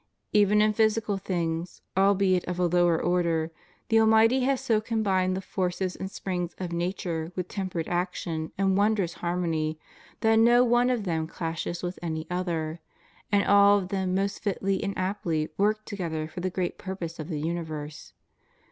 Even in physical things, albeit of a lower order, the Almighty has so combined the forces and springs of nature with tempered action and wondrous harmony that no one of them clashes with any other, and all of them most fitly and aptly work together for the great purpose of the universe.